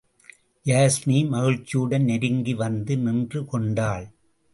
யாஸ்மி மகிழ்ச்சியுடன் நெருங்கி வந்து நின்று கொண்டாள்.